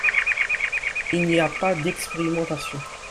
Il n’y a pas d’expérimentation